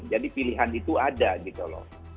jadi pilihan itu ada gitu loh